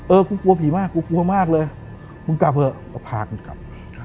กูกลัวผีมากกูกลัวมากเลยมึงกลับเถอะก็พากูกลับ